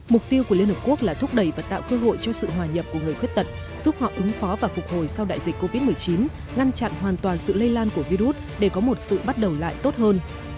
mục tiêu của liên hợp quốc là thúc đẩy và tạo cơ hội cho sự hòa nhập của người khuyết tật giúp họ ứng phó và phục hồi sau đại dịch covid một mươi chín ngăn chặn hoàn toàn sự lây lan của virus để có một sự bắt đầu lại tốt hơn